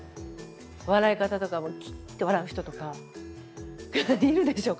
笑い方とかもキッて笑う人とかいるでしょ